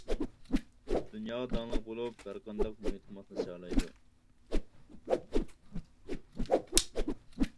دۇنياغا داڭلىق بولۇپ ھەر قانداق مۇھىتقا ماسلىشالايدۇ.